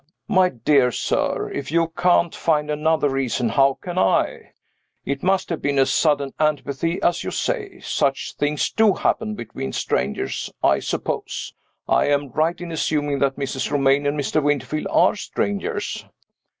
"My dear sir! if you can't find another reason, how can I? It must have been a sudden antipathy, as you say. Such things do happen between strangers. I suppose I am right in assuming that Mrs. Romayne and Mr. Winterfield are strangers?"